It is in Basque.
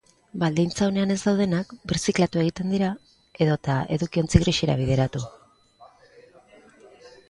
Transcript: Baldintza onetan ez daudenak birziklatu egiten dira, edota edukiontzi grisera bideratu.